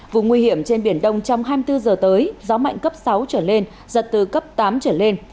vùng nguy hiểm trên biển đông trong hai mươi bốn h tới gió mạnh cấp sáu trở lên giật từ cấp tám trở lên